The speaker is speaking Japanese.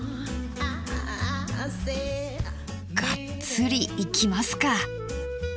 がっつりいきますか。